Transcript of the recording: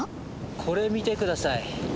これ見て下さい。